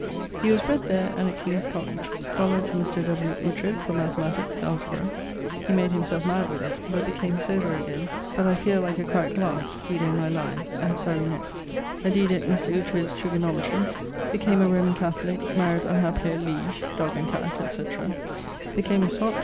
He was bred there and at King's College. Scholar to Mr. W. Oughtred for Mathematiques (Algebra). He made himselfe mad with it, but became sober again, but I feare like a crackt glasse: vide my Lives, and Surrey notes. Edidit Mr. Oughtred's 'Trigonometrie.' Became a Roman Catholique; maried unhappily at Liege, dog and catt, etc. Became a sott.